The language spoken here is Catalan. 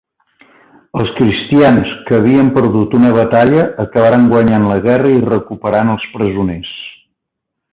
Els cristians, que havien perdut una batalla, acabaren guanyant la guerra i recuperant els presoners.